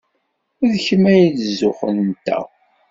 D kemm ay d zzux-nteɣ.